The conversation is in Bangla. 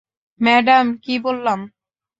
ম্যাডাম, কী বললাম?